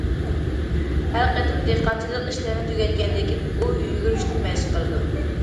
ھەر قېتىم دېھقانچىلىق ئىشلىرىنى تۈگەتكەندىن كېيىن، ئۇ يۈگۈرۈشنى مەشىق قىلىدۇ.